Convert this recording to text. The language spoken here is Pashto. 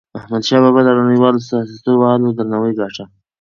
احمدشاه بابا د نړیوالو سیاستوالو درناوی ګاټه.